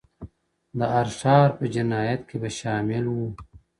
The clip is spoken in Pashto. • د هر ښار په جنایت کي به شامل وو,